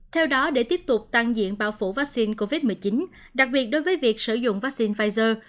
theo đó để tiếp tục tăng diện bao phủ vaccine covid một mươi chín đặc biệt đối với việc sử dụng vaccine pfizer